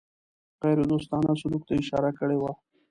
غیردوستانه سلوک ته اشاره کړې وه.